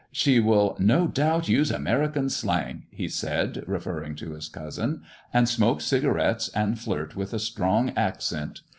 " She will no doubt use American slang," he said, referring to his cousin, ''and smoke cigarettes, and flirt with a strong accent.